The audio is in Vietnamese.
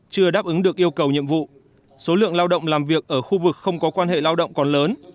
chưa đáp ứng được yêu cầu nhiệm vụ số lượng lao động làm việc ở khu vực không có quan hệ lao động còn lớn